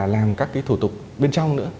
làm các cái thủ tục bên trong nữa